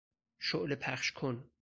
شعله پخش کن